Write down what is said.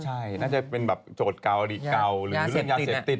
น่าจะเป็นแบบโจทย์กาวหรือเกาหรือและเซ็บติด